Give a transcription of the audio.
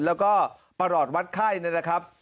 แล้วก็ประหลอดวัดไข้นะครับ